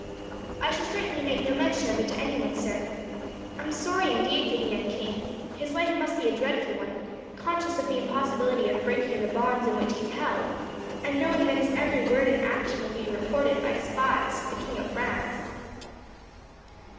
"I shall certainly make no mention of it to anyone, sir. I am sorry, indeed, for the young king. His life must be a dreadful one, conscious of the impossibility of breaking the bonds in which he is held, and knowing that his every word and action will be reported, by spies, to the King of France."